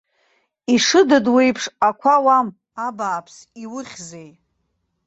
Ишыдыдуеиԥш қәа ауам, абааԥс, иухьзеи.